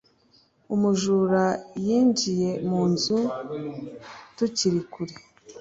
umujura yinjiye mu nzu tukiri kure